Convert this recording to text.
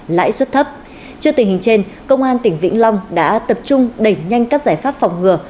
lãi suất thấp trước tình hình trên công an tỉnh vĩnh long đã tập trung đẩy nhanh các giải pháp phòng ngừa